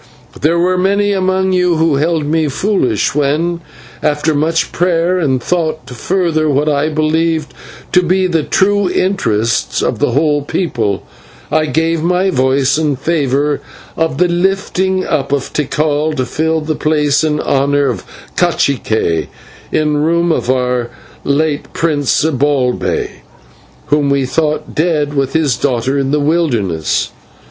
There were many among you who held me foolish when, after much prayer and thought, to further what I believed to be the true interests of the whole people, I gave my voice in favour of the lifting up of Tikal to fill the place and honour of /cacique/ in room of our late prince, Zibalbay, whom we thought dead with his daughter in the wilderness.